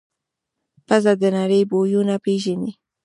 پزه د نړۍ بویونه پېژني.